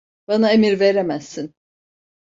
Bana emir veremezsin.